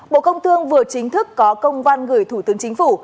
bộ công thương vừa chính thức có công văn gửi thủ tướng chính phủ